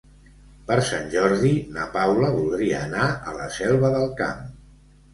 Per Sant Jordi na Paula voldria anar a la Selva del Camp.